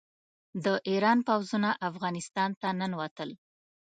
د ایران پوځونه افغانستان ته ننوتل.